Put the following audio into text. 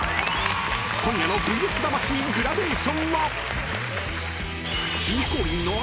［今夜の『ＶＳ魂』グラデーションは］